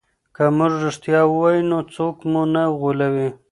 که موږ رښتیا ووایو نو څوک مو نه غولوي.